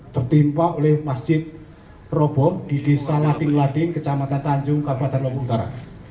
tertimpa oleh masjid roboh di desa lading lading kecamatan tanjung kabupaten lombok utara